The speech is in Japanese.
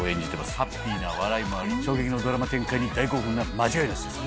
ハッピーな笑いもある衝撃のドラマ展開に大興奮間違いなしです